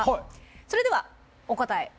それではお答えどうぞ。